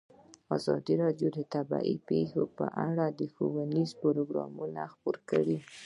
ازادي راډیو د طبیعي پېښې په اړه ښوونیز پروګرامونه خپاره کړي.